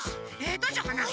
どうしようかな？